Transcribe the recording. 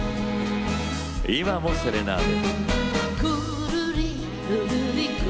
「今もセレナーデ」。